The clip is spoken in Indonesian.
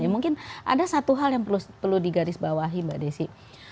mungkin ada satu hal yang perlu digarisbawahi mbak desi